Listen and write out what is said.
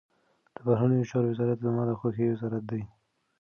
د بهرنیو چارو وزارت زما د خوښي وزارت دی.